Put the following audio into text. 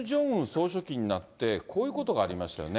総書記になって、こういうことがありましたよね。